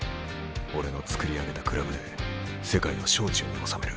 俺の作り上げたクラブで世界を掌中に収める。